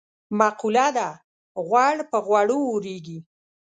مقوله ده: غوړ په غوړو اورېږي.